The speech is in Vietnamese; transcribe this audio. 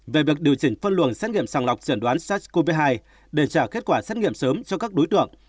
về việc điều chỉnh phân luồng xét nghiệm sàng lọc chẩn đoán sars cov hai để trả kết quả xét nghiệm sớm cho các đối tượng